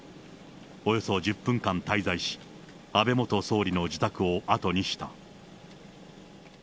およそ１０分間滞在し、安倍元総理の自宅を後にした。